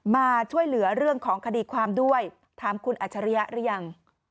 มาช่วยเหลือเรื่องของคดีความด้วยถามคุณอัจฉริยะหรือยัง